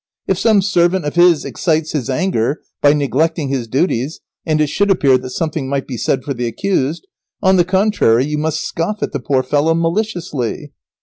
If some servant of his excites his anger by neglecting his duties, and it should appear that something might be said for the accused, on the contrary you must scoff at the poor fellow maliciously.